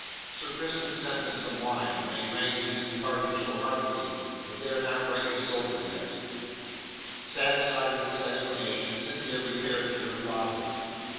"Sir Crispin sent them some wine, and they drank to his departure so heartily that they are not rightly sober yet." Satisfied with this explanation Cynthia repaired to her father.